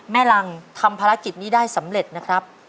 กำลังทำภารกิจนี้ได้สำเร็จนะครับ